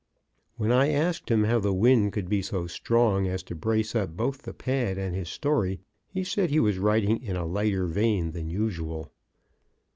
When I asked him how the wind could be so strong as to brace up both the pad and his story, he said he was writing in a lighter vein than usual.